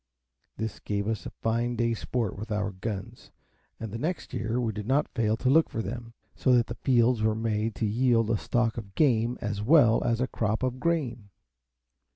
This gave us a fine day's sport with our guns, and the next year we did not fail to look for them, so that the fields were made to yield a stock of game as well as a crop of grain.